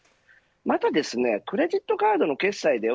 またクレジットカードの決済では